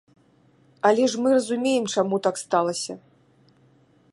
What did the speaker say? Але ж мы разумеем, чаму так сталася.